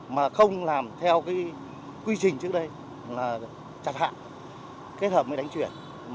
mà không làm theo quy trình trước đây chặt hạ kết hợp với đánh chuyển